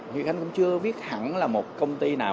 huy khánh cũng chưa viết hẳn là một công ty nào